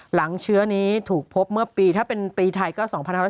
หลังเชื้อนี้ถูกพบเมื่อปีถ้าเป็นปีไทยก็๒๑